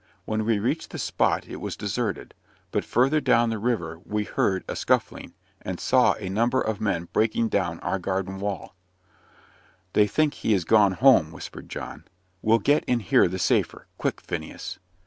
When we reached the spot it was deserted; but further down the river we heard a scuffling, and saw a number of men breaking down our garden wall. "They think he is gone home," whispered John; "we'll get in here the safer. Quick, Phineas."